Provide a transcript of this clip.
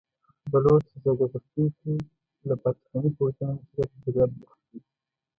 بلوڅ ازادي غوښتونکي له پاکستاني پوځیانو سره په جګړه بوخت دي.